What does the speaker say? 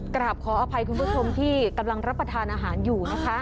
กราบขออภัยคุณผู้ชมที่กำลังรับประทานอาหารอยู่นะคะ